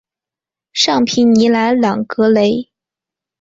尚皮尼莱朗格雷。